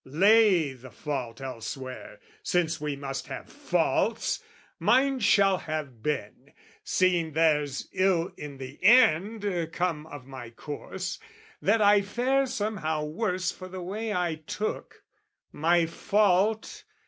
Lay the fault elsewhere, since we must have faults: Mine shall have been, seeing there's ill in the end Come of my course, that I fare somehow worse For the way I took, my fault...